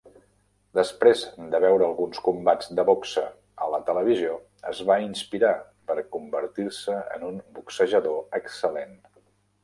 Després de veure alguns combats de boxa a la televisió, es va inspirar per convertir-se en un boxejador excel·lent.